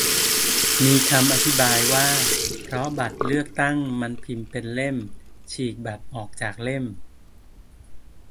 มีคำอธิบายว่าเพราะบัตรเลือกตั้งมันพิมพ์เป็นเล่ม ฉีกบัตรออกจากเล่ม